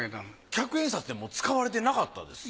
百円札ってもう使われてなかったですか？